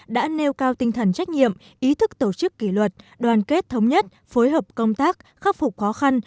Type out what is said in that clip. đã nêu cao tinh thần trách nhiệm ý thức tổ chức kỷ luật đoàn kết thống nhất phối hợp công tác khắc phục khó khăn